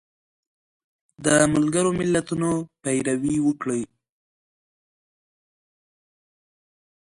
د ملګرو ملتونو پیروي وکړي